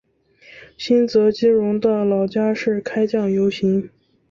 新泽基荣的老家是开酱油行。